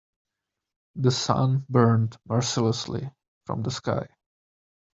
The sun burned mercilessly from the sky.